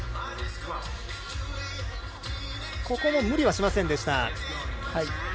無理はしませんでした。